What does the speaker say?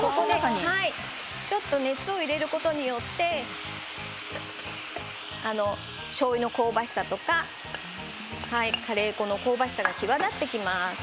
ちょっと熱を入れることによってしょうゆの香ばしさとかカレー粉の香ばしさが際立っていきます。